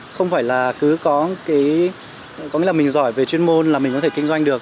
không phải là cứ có cái có nghĩa là mình giỏi về chuyên môn là mình có thể kinh doanh được